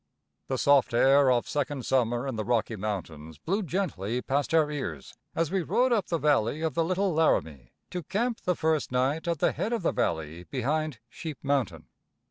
The soft air of second summer in the Rocky Mountains blew gently past our ears as we rode up the valley of the Little Laramie, to camp the first night at the head of the valley behind Sheep Mountain.